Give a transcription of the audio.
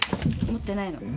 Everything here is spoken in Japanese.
持ってないの。